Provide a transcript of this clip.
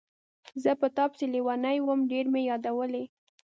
زه په تا پسې لیونی وم، ډېر مې یادولې.